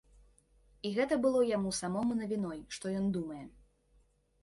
І гэта было яму самому навіной, што ён думае.